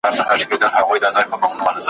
د نارنج د ګل پر پاڼو، ننګرهار ته غزل لیکم ,